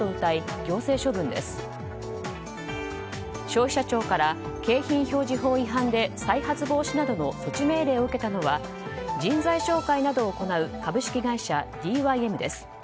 消費者庁から景品表示法違反で再発防止などの措置命令を受けたのは人材紹介などを行う株式会社ＤＹＭです。